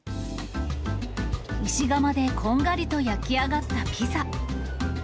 石窯でこんがりと焼き上がったピザ。